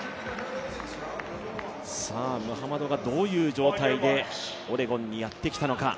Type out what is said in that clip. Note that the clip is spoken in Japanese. ムハマドがどういう状態でオレゴンにやってきたのか。